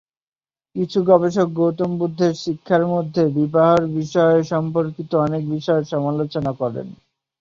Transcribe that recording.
কিছু গবেষক গৌতম বুদ্ধের শিক্ষার মধ্যে, বিবাহের বিষয় সম্পর্কিত অনেক বিষয়ের সমালোচনা করেন।